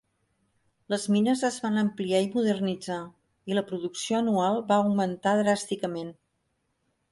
Les mines es van ampliar i modernitzar, i la producció anual va augmentar dràsticament.